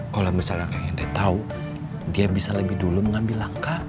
kalau misalnya kayak anda tahu dia bisa lebih dulu mengambil langkah